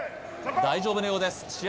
大丈夫なようです試合